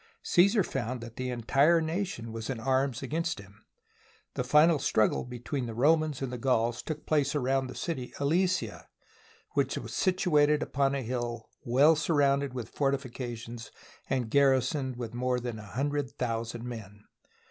Caesar found that the entire nation was in arms against him. The final struggle between Romans and Gauls took place around the city, Alesia, which was situ ated upon a hill well surrounded with fortifications and garrisoned with more than a hundred thousand men.